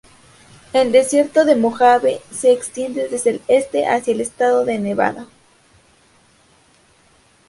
El desierto de Mojave se extiende desde el este hacia el estado de Nevada.